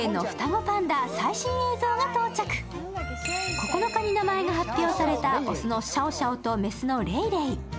９日に名前が発表された雄のシャオシャオと雌のレイレイ。